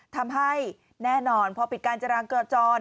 ทำให้แน่นอนพอปิดการจราจร